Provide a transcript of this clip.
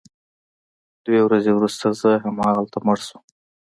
درې ورځې وروسته زه همالته مړ شوم